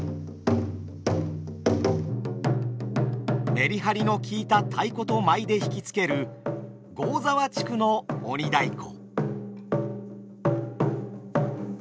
メリハリのきいた太鼓と舞で引き付ける合沢地区の鬼太鼓。